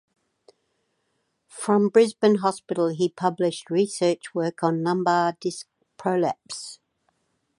From Brisbane Hospital he published research work on lumbar disc prolapse.